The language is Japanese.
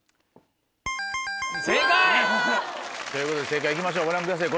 正解。ということで正解いきましょうご覧ください